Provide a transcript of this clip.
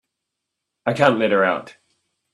I can't let her out.